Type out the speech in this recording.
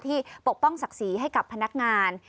ปกป้องศักดิ์ศรีให้กับพนักงาน